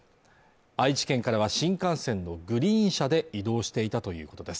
愛知県からは新幹線のグリーン車で移動していたということです